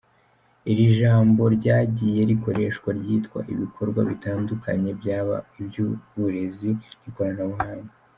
Iri jambo ryagiye rikoreshwa ryitwa ibikorwa bitandukanye byaba iby’uburezi nikoranabuhanga.